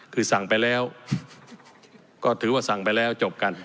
คือสั่งไปแล้วก็ถือว่าสั่งไปแล้วจบกัน